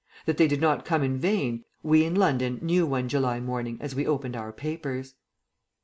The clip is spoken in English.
That they did not come in vain, we in London knew one July morning as we opened our papers.